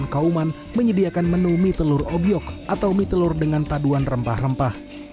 kauman menyediakan menu mie telur obyok atau mie telur dengan paduan rempah rempah